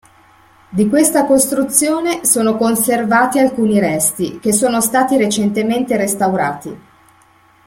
Di questa costruzione sono conservati alcuni resti, che sono stati recentemente restaurati.